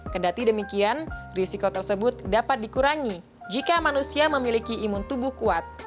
kedati demikian risiko tersebut dapat dikurangi jika manusia memiliki imun tubuh kuat